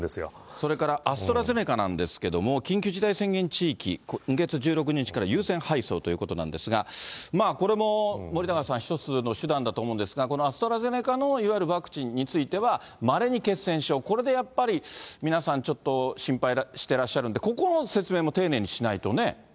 それから、アストラゼネカなんですけども、緊急事態宣言地域、今月１６日から優先配送ということなんですが、これも森永さん、一つの手段だと思うんですが、このアストラゼネカのいわゆるワクチンについては、まれに血栓症、これでやっぱり、皆さん、ちょっと心配してらっしゃるんで、ここの説明も丁寧にしないとね。